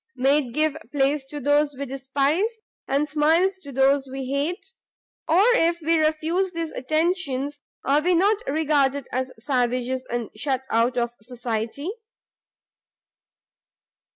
made give place to those we despise? and smiles to those we hate? or if we refuse these attentions, are we not regarded as savages, and shut out of society?"